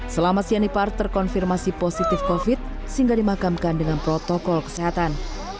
selama sianipar terkonfirmasi positif covid sembilan belas sehingga dimakamkan dengan protokol kesehatan